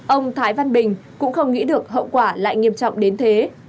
ông thái văn bình cũng không nghĩ được hậu quả lại nghiêm trọng đến thế